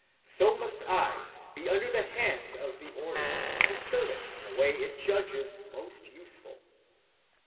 So must I be under the hands of the Order, to serve it in the way it judges most useful.